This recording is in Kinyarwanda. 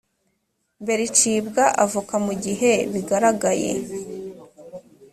mbere icibwa avoka mu gihe bigaragaye